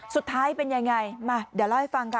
สุดท้ายเป็นยังไงมาเดี๋ยวเล่าให้ฟังค่ะ